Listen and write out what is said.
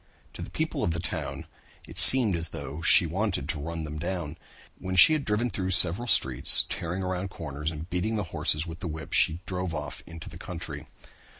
To the people of the town it seemed as though she wanted to run them down. When she had driven through several streets, tearing around corners and beating the horses with the whip, she drove off into the country.